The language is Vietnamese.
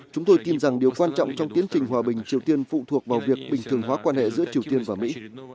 chúng tôi tin rằng điều quan trọng trong tiến trình hòa bình triều tiên phụ thuộc vào việc bình thường hóa quan hệ giữa triều tiên và mỹ